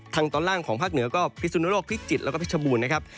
ทางตอนล่างของภาคเหนือก็พิสุนโลกพิจิตรแล้วก็พิชบูรณ์นะครับ